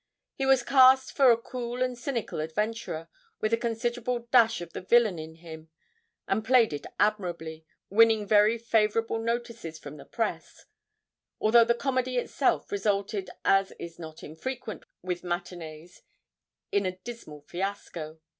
He was cast for a cool and cynical adventurer, with a considerable dash of the villain in him, and played it admirably, winning very favourable notices from the press, although the comedy itself resulted as is not infrequent with matinées, in a dismal fiasco.